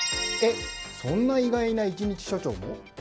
え、そんな意外な一日署長も？